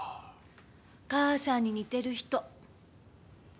母さんに似てる人。